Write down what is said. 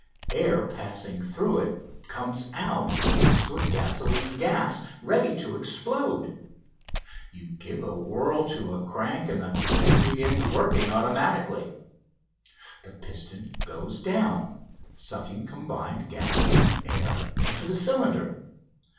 Air passing through it comes out mixed with gasoline gas, ready to explode. You give a whirl to a crank, and the thing begins working automatically. The piston goes down, sucking combined gas and air into the cylinder.